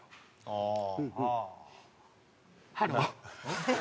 ああ。